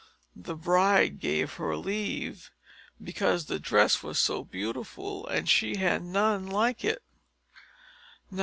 The bride gave her leave, because the dress was so beautiful, and she had none like it.